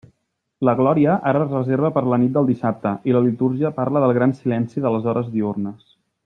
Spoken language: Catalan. La Glòria ara es reserva per a la nit del dissabte i la litúrgia parla del gran silenci de les hores diürnes.